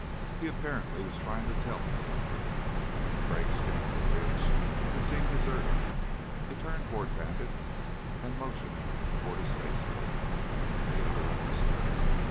He apparently was trying to tell him something. Crag scanned the ridge. It seemed deserted. He turned toward Bandit and motioned toward his faceplate. The other understood.